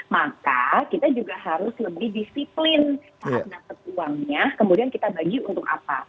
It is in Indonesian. maka kita juga harus lebih disiplin saat dapat uangnya kemudian kita bagi untuk apa